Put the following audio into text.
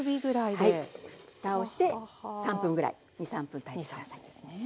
ふたをして３分ぐらい２３分炊いて下さい。